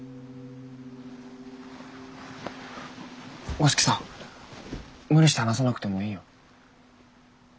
五色さん無理して話さなくてもいいよ。